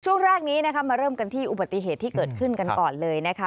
ช่วงแรกนี้นะคะมาเริ่มกันที่อุบัติเหตุที่เกิดขึ้นกันก่อนเลยนะคะ